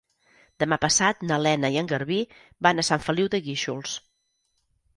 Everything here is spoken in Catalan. Demà passat na Lena i en Garbí van a Sant Feliu de Guíxols.